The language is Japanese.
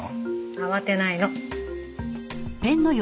慌てないの。